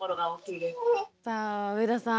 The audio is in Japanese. さあ上田さん。